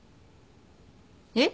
えっ？